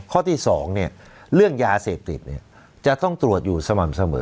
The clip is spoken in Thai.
ข้อที่สองเนี่ยเรื่องยาเสพติดเนี่ยจะต้องตรวจอยู่สม่ำเสมอ